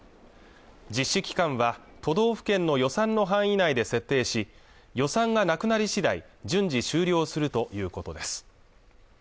実施期間は都道府県の予算の範囲内で設定し予算がなくなり次第順次終了するということです